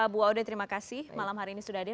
bu aude terima kasih malam hari ini sudah hadir